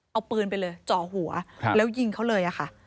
เอาปืนไปเลยเจาะหัวแล้วยิงเขาเลยค่ะ